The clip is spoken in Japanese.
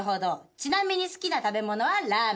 ちなみに好きな食べ物はラーメン。